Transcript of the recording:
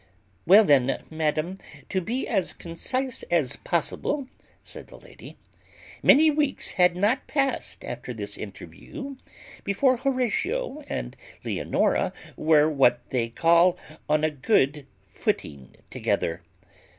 Well then, madam, to be as concise as possible, said the lady, many weeks had not passed after this interview before Horatio and Leonora were what they call on a good footing together.